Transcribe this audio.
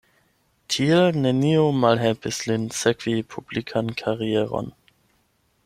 Tiel nenio malhelpis lin sekvi publikan karieron.